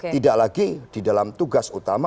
tidak lagi di dalam tugas utama